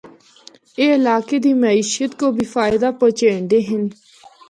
اے علاقے دی معیشت کو بھی فائدہ پہنچاندے ہن۔